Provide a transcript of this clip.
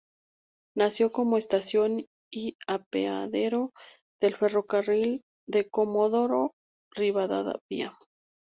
Nació como estación y apeadero del Ferrocarril de Comodoro Rivadavia.